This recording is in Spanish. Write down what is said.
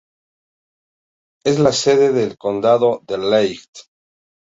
Es la sede de condado de Lehigh.